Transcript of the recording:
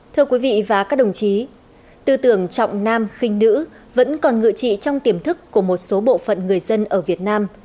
thưa quý vị và các đồng chí tư tưởng trọng nam khinh nữ vẫn còn ngự trị trong tiềm thức của một số bộ phận người dân ở việt nam